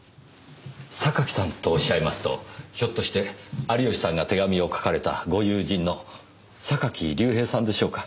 榊さんとおっしゃいますとひょっとして有吉さんが手紙を書かれたご友人の榊隆平さんでしょうか？